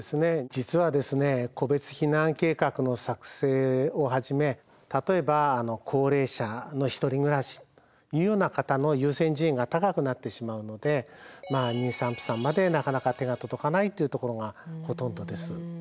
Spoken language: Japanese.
実は個別避難計画の作成をはじめ例えば高齢者の１人暮らしというような方の優先順位が高くなってしまうので妊産婦さんまでなかなか手が届かないというところがほとんどです。